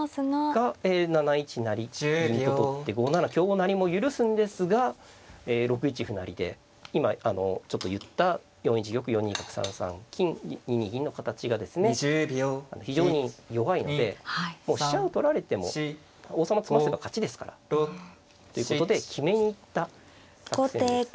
が７一成銀と取って５七香成も許すんですが６一歩成で今ちょっと言った４一玉４二角３三金２二銀の形がですね非常に弱いのでもう飛車を取られても王様詰ませば勝ちですから。ということで決めに行った作戦です。